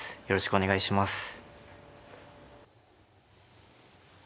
よろしくお願いします。